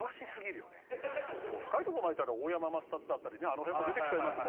深いとこまでいったら大山倍達だったりねあの辺も出てきちゃいます